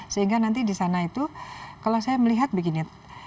sehingga nanti di sana itu kalau saya melihat begini